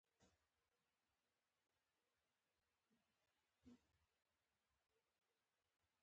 غویی د بزګرانو لپاره مهمه میاشت ده، ځکه کرکیله پکې ترسره کېږي.